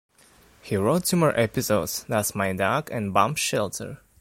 He wrote two more episodes "That's My Dog" and "Bomb Shelter".